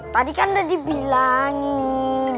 tadi kan udah dibilangin